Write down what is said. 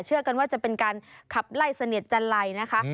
กันว่าจะเป็นการขับไล่เสนียดจันไลนะคะ